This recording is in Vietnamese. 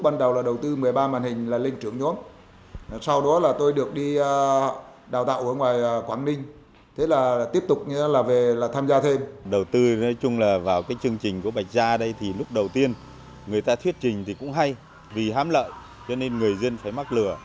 người ta thuyết trình thì cũng hay vì hám lợi cho nên người dân phải mắc lừa